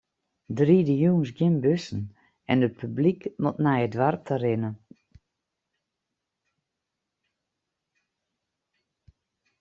Der ride jûns gjin bussen en it publyk moat nei it doarp ta rinne.